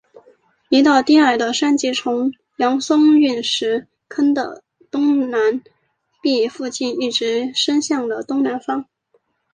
一道低矮的山脊从扬松陨石坑的东南壁附近一直伸向了东南方。